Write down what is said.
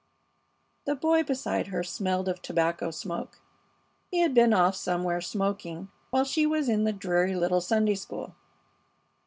The boy beside her smelled of tobacco smoke. He had been off somewhere smoking while she was in the dreary little Sunday school.